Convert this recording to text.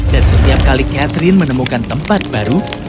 dan setiap kali catherine menemukan tempat baru